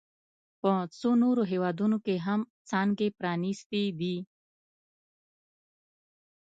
په څو نورو هېوادونو کې هم څانګې پرانیستي دي